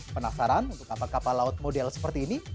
penasaran untuk kapal kapal laut model seperti ini